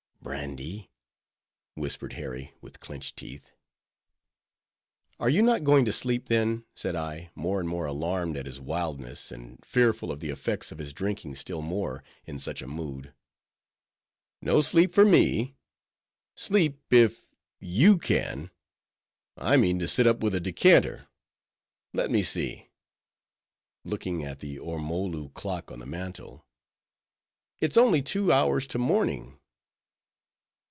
"Brandy," whispered Harry, with clenched teeth. "Are you not going to sleep, then?" said I, more and more alarmed at his wildness, and fearful of the effects of his drinking still more, in such a mood. "No sleep for me! sleep if you can—I mean to sit up with a decanter!—let me see"—looking at the ormolu clock on the mantel—"it's only two hours to morning."